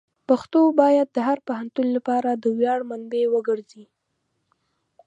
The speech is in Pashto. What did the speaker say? پښتو باید د هر پښتون لپاره د ویاړ منبع وګرځي.